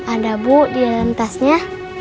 ada bu di dalam tasnya